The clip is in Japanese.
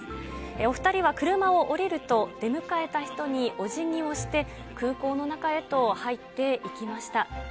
お２人は車を降りると、出迎えた人にお辞儀をして、空港の中へと入っていきました。